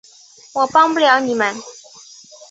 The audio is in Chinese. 我帮不了你们